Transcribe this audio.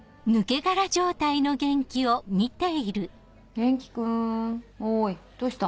元気くんおいどうした？